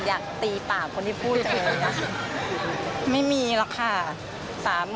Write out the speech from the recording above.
โอ๊ยอยากตีปากคนที่พูดจังเลยนะไม่มีหรอกค่ะ